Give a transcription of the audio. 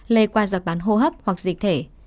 lề qua giọt bán hô hấp hoặc dịch thể